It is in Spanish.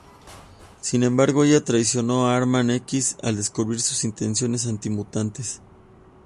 Sin embargo, ella traicionó a Arma-X al descubrir sus intenciones anti-mutantes.